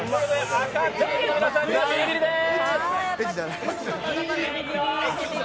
赤チームの皆さんにはビリビリです。